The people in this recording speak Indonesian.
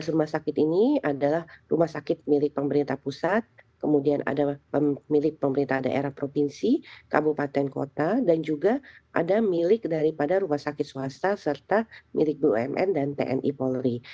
tiga ratus rumah sakit ini adalah rumah sakit milik pemerintah pusat kemudian ada milik pemerintah daerah provinsi kabupaten kota dan juga ada milik daripada rumah sakit swasta serta milik bumn dan tni polri